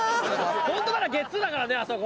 本当ならゲッツーだからねあそこ！